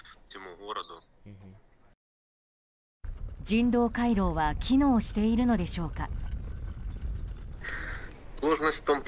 人道回廊は機能しているのでしょうか。